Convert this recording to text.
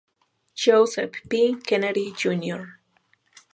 Joseph P. Kennedy, Jr.